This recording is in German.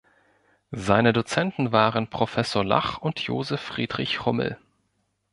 Seine Dozenten waren Professor Lach und Joseph Friedrich Hummel.